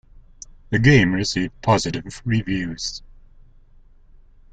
The game received positive reviews.